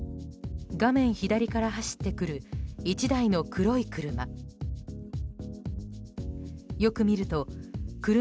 画面左から走ってくる１台の黒い車。